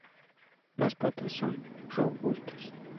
Las patas son robustas.